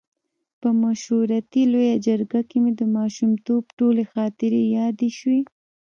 په مشورتي لویه جرګه کې مې د ماشومتوب ټولې خاطرې یادې شوې.